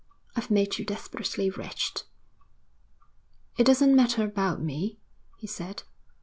'I've made you desperately wretched.' 'It doesn't matter about me,' he said.